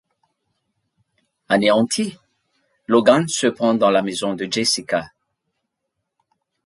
Anéanti, Logan se pend dans la maison de Jessica.